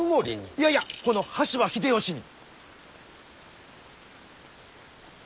いやいやこの羽柴秀吉に！